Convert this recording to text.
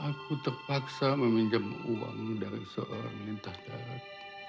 aku terpaksa meminjam uang dari seorang lintah darat